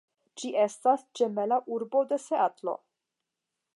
Ĝi estas ĝemela urbo de Seatlo.